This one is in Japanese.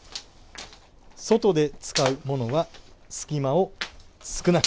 外で使うものは隙間を少なく。